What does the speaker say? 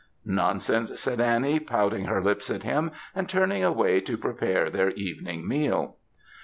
"Nonsense!" said Annie, pouting her lips at him, and turning away to prepare their evening meal.